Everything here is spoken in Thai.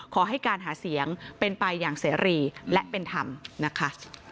ขอให้การหาเสียงเป็นไปอย่างเสรีและเป็นธรรมนะคะ